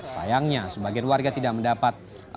sayangnya sebagian warga tidak mendapat